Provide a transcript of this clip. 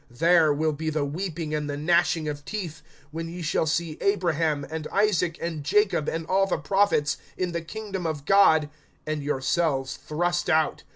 (28)There will be the weeping, and the gnashing of teeth, when ye shall see Abraham, and Isaac, and Jacob, and all the prophets, in the kingdom of God, and yourselves thrust out.